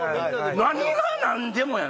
何が何でもやな！